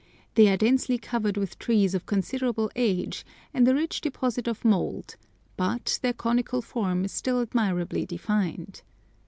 They are densely covered with trees of considerable age, and a rich deposit of mould; but their conical form is still admirably defined.